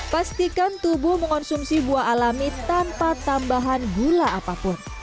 pastikan tubuh mengonsumsi buah alami tanpa tambahan gula apapun